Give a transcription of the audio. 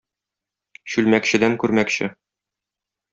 Чүлмәкчедән күрмәкче.